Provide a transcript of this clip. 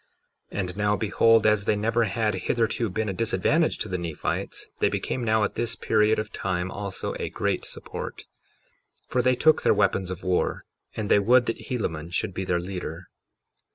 53:19 And now behold, as they never had hitherto been a disadvantage to the Nephites, they became now at this period of time also a great support; for they took their weapons of war, and they would that Helaman should be their leader.